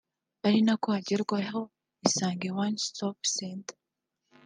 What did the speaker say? ari nako hongerwa Isange One Stop Center